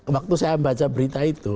waktu saya baca berita itu